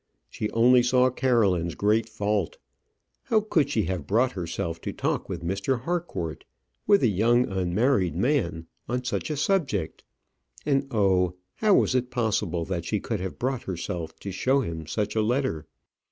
She only saw Caroline's great fault. How could she have brought herself to talk with Mr. Harcourt with a young unmarried man on such a subject? And, oh! how was it possible that she could have brought herself to show him such a letter?